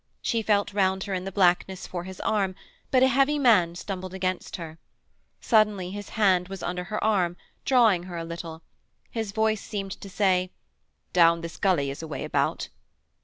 She felt round her in the blackness for his arm, but a heavy man stumbled against her. Suddenly his hand was under her arm, drawing her a little; his voice seemed to say: 'Down this gully is a way about.'